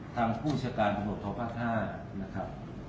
ทางผู้จัดการบุหรษฎรพัฒนา